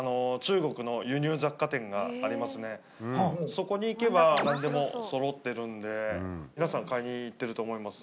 そこに行けば何でもそろってるんで皆さん買いに行ってると思います。